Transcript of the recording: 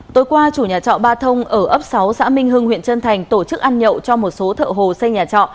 tối qua chủ nhà trọ ba thông ở ấp sáu xã minh hưng huyện trân thành tổ chức ăn nhậu cho một số thợ hồ xây nhà trọ